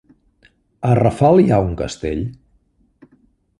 A Rafal hi ha un castell?